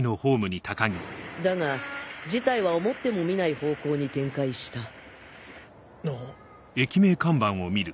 だが事態は思ってもみない方向に展開したん？